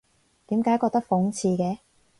點解覺得諷刺嘅？